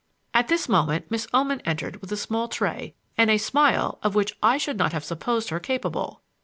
At this moment Miss Oman entered with a small tray and a smile of which I should not have supposed her capable.